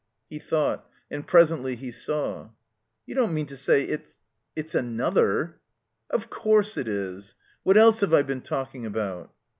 He thought. And presently he saw. You don't mean to say it's — it's another?" Of course it is. What else have I been talking about?"